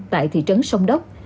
tại thị trấn sông đốc